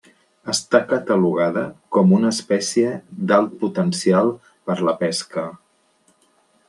Està catalogada com una espècie d'alt potencial per a la pesca.